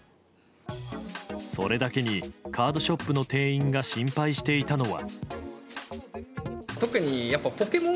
それだけにカードショップの店員が心配していたのは。